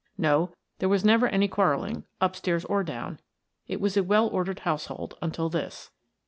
No, there was never any quarreling, upstairs or down; it was a well ordered household until this.